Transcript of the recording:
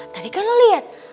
tadi kan lo liat